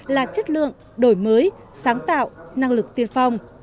là chất lượng đổi mới sáng tạo năng lực tiên phong